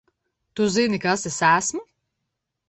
Tu zini, kas es esmu?